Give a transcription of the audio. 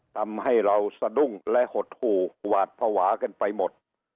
ทำให้เราสะดุ้งและหดหู่หวาดภาวะกันไปหมด